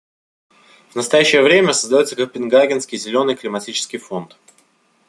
В настоящее время создается Копенгагенский зеленый климатический фонд.